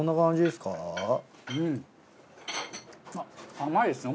甘いですね。